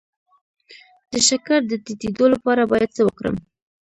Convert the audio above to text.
د شکر د ټیټیدو لپاره باید څه وکړم؟